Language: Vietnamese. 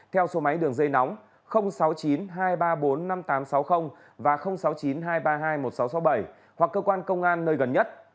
theo số máy đường dây nóng sáu mươi chín hai trăm ba mươi bốn năm nghìn tám trăm sáu mươi và sáu mươi chín hai trăm ba mươi hai một nghìn sáu trăm sáu mươi bảy hoặc cơ quan công an nơi gần nhất